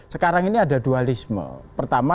sekarang ini ada dua lisme pertama